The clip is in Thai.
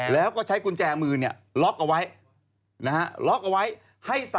แล้วก็ใช้กุญแจมือล็อกเอาไว้ให้ใส่แค่แพมเฟิร์ด